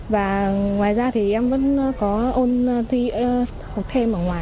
và ngoài ra thì em vẫn có ôn thi học thêm ở ngoài